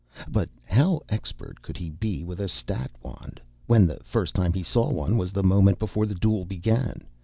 But how expert could he be with a stat wand, when the first time he saw one was the moment before the duel began?